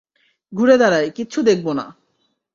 ঘুরে দাঁড়াই, কিচ্ছু দেখব না!